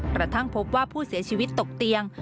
กระทั่งพบว่าผู้เสียชีวิตตกเตียง